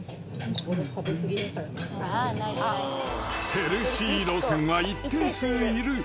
ヘルシー路線は一定数いる。